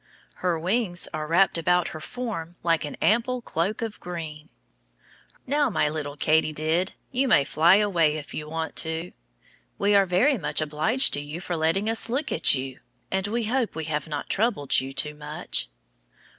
Her wings are wrapped about her form like an ample cloak of green. Now, my little katydid, you may fly away if you want to. We are very much obliged to you for letting us look at you, and we hope we have not troubled you too much.